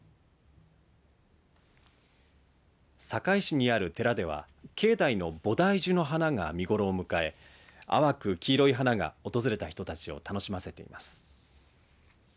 坂井市にある寺では境内のボダイジュの花が見頃を迎え淡く黄色い花が訪れた人たちを楽しませています。